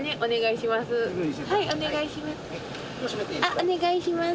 お願いします。